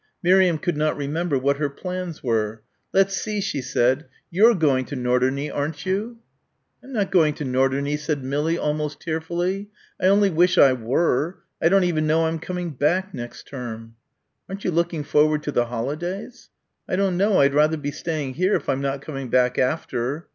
Miriam could not remember what her plans were. "Let's see," she said, "you're going to Norderney, aren't you?" "I'm not going to Norderney," said Millie almost tearfully. "I only wish I were. I don't even know I'm coming back next term." "Aren't you looking forward to the holidays?" "I don't know. I'd rather be staying here if I'm not coming back after."